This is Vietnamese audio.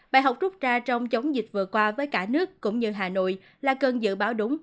bài học rút ra trong chống dịch vừa qua với cả nước cũng như hà nội là cần dự báo đúng